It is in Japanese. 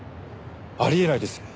あり得ないです。